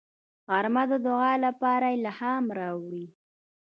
غرمه د دعا لپاره الهام راوړي